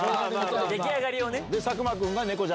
出来上がりをね。